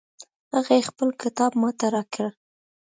هغې خپل کتاب ما ته راکړ